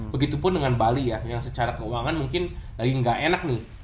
begitu pun dengan bali ya yang secara keuangan mungkin lagi ga enak nih